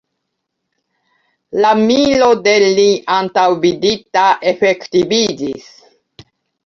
La miro de li antaŭvidita efektiviĝis.